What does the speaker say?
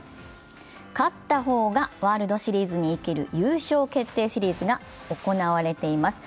勝ったほうがワールドシリーズに行ける優勝決定シリーズが行われています。